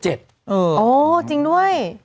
เออจริงด้วย